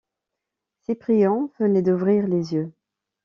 Cyprien venait d’ouvrir les yeux.